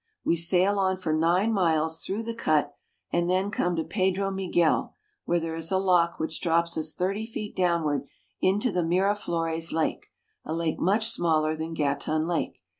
We sail on for nine miles through the cut, and then come to Pedro Miguel, where there is a lock which drops us thirty feet downward into the Mira flores Lake, a lake much smaller than Gatun Lake.